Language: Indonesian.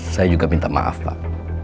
saya juga minta maaf pak